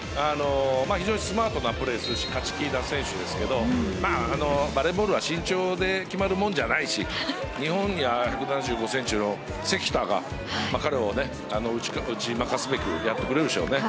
非常にスマートなプレーをするし勝ち気な選手ですけどバレーボールは身長で決まるものじゃないし日本は１７５ｃｍの関田が彼を打ち負かすべくやってくれるでしょうね。